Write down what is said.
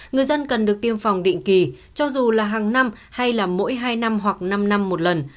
người dân cần được tiêm phòng định kỳ cho dù là hàng năm hay là mỗi hai năm hoặc năm năm một lần